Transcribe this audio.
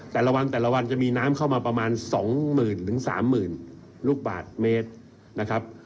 แต่ละวันจะมีน้ำเข้ามาประมาณ๒หมื่นหรือ๓หมื่นลูกบาทเมตรนะครับ